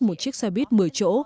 một chiếc xe buýt một mươi chỗ